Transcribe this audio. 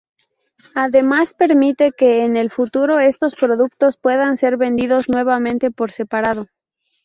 Además permite que en el futuro estos productos puedan ser vendidos nuevamente por separado.